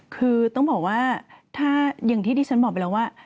คือต้องบอกว่าถ้าอย่างที่ดิฉันบอกไปแล้วว่า